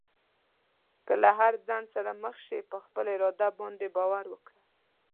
که له هر خنډ سره مخ شې، په خپل اراده باندې باور وکړه.